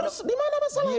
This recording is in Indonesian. terus dimana masalahnya